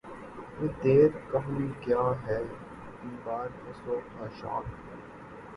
یہ دیر کہن کیا ہے انبار خس و خاشاک